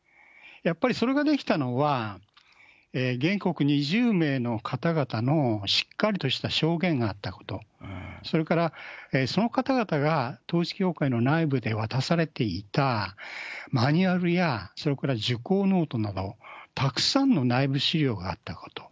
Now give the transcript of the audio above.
やっぱりそれができたのは、原告２０名の方々の、しっかりとした証言があったこと、それからその方々が、統一教会の内部で渡されていたマニュアルやそれから受講ノートなど、たくさんの内部資料があったこと。